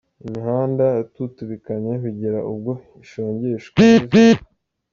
Imihanda yatutubikanye bigera ubwo ishongeshwa n'izuba.